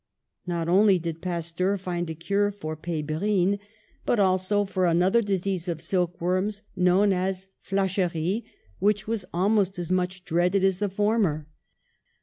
Not only did Pasteur find a cure for pehrine, but FOR THE NATIONAL WEALTH 99 also for another disease of silk worms, known as flacherie, which was almost as much dreaded as the former.